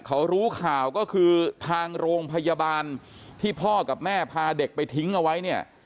เขารู้ข่าวก็คือทางโรงพยาบาลที่พ่อกับแม่พาเด็กไปทิ้งเอาไว้เนี่ย